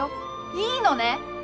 いいのね？